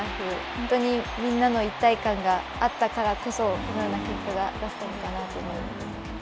本当にみんなの一体感があったからこそ、このような結果が出せたのかなと思います。